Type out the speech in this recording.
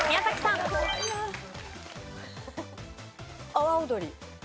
阿波おどり。